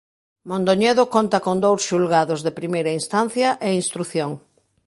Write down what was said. Mondoñedo conta con dous Xulgados de Primeira Instancia e Instrución.